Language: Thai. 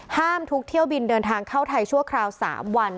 ทุกเที่ยวบินเดินทางเข้าไทยชั่วคราว๓วัน